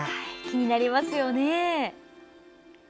気になりますよね。